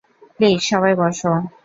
Please সবাই বসো।